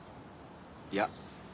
いや。